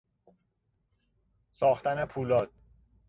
ساختن پولاد